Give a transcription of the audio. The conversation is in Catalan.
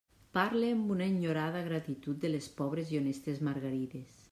Parle amb una enyorada gratitud de les pobres i honestes margarides.